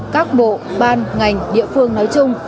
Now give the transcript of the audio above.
các bộ ban ngành địa phương nói chung